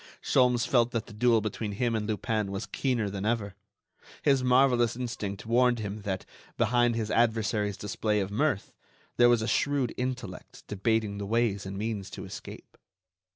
Sholmes felt that the duel between him and Lupin was keener than ever. His marvellous instinct warned him that, behind his adversary's display of mirth, there was a shrewd intellect debating the ways and means to escape.